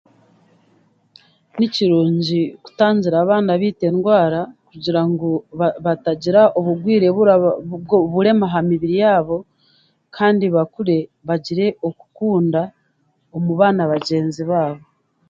Nikirungi kutangira abaana beitu endwaara kugira ngu batagira obureema aha mibiri yaabo kandi bakure bagire okukunda omu baana bagyenzi baabo.